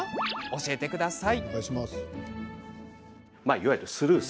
教えてください。